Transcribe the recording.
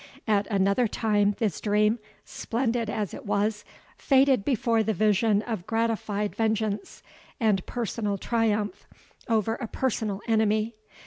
At another time this dream, splendid as it was, faded before the vision of gratified vengeance, and personal triumph over a personal enemy.